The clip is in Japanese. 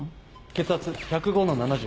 血圧１０５の７０。